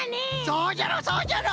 そうじゃろそうじゃろ！